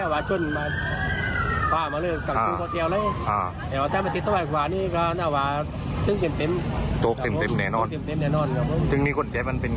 มันเป็นใครอ่ะมันเจ็บนึงก็เพราะต้องนานกว่าเดี๋ยวค่ะเจ็บ